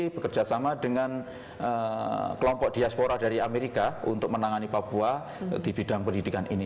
bekerja sama dengan kelompok diaspora dari amerika untuk menangani papua di bidang pendidikan ini